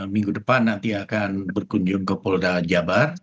minggu depan nanti akan berkunjung ke polda jabar